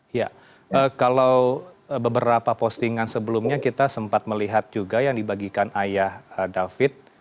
iya kalau beberapa postingan sebelumnya kita sempat melihat juga yang dibagikan ayah david